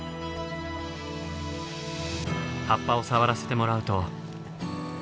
葉っぱを触らせてもらうと。